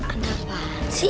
ada apaan sih